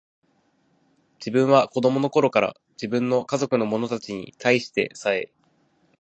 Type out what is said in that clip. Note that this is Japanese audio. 自分は子供の頃から、自分の家族の者たちに対してさえ、